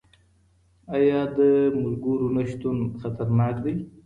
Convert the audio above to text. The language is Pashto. آيا د ملګرو نشتون خطرناک دی؟